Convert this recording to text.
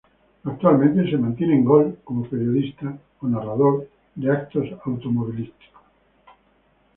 Actualmente se mantiene en Gol como periodista o narrador de eventos automovilísticos.